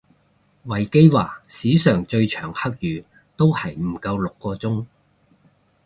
維基話史上最長黑雨都係唔夠六個鐘